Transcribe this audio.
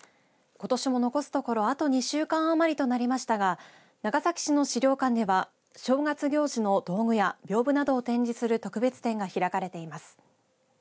ことしも残すところあと２週間余りとなりましたが長崎市の資料館では正月行事の道具やびょうぶなどを展示する特別展が開かれています。